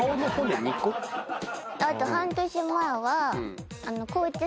あと半年前は。